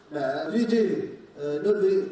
để duy trì đơn vị